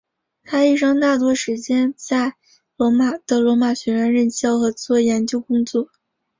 他一生大多数时间在罗马的罗马学院任教和做研究工作。